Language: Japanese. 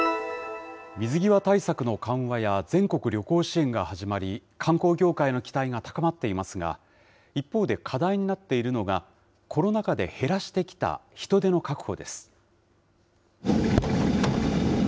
水際対策の緩和や全国旅行支援が始まり、観光業界の期待が高まっていますが、一方で課題になっているのが、コロナ禍で減らしてきた人手の確保です。